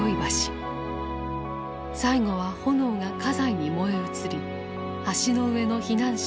最後は炎が家財に燃え移り橋の上の避難者